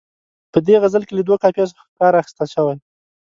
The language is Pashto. په دې غزل کې له دوو قافیو کار اخیستل شوی.